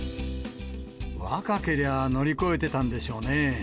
若けりゃ乗り越えてたんでしょうねえー。